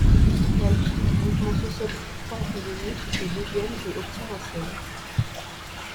La liste du Mouvement socialiste panhellénique est deuxième et obtient un siège.